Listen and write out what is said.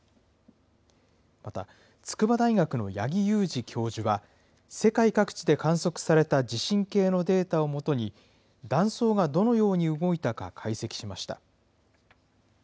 また、筑波大学の八木勇治教授は、世界各地で観測された地震計のデータを基に、断層がどのように動いたか解析しました。